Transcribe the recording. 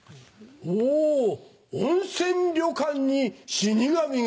お温泉旅館に死神が。